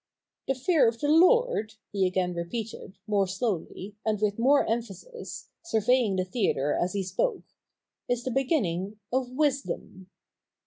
'" 'The fear of the Lord,' he again repeated, more slowly, and with more emphasis, surveying the theatre as he spoke, 'is the beginning of wisdom.'